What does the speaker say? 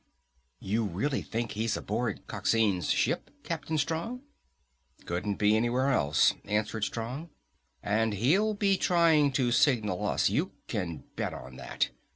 "You really think he's aboard Coxine's ship, Captain Strong?" "Couldn't be anywhere else," answered Strong. "And he'll be trying to signal us, you can bet on that.